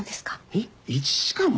えっ１時間も？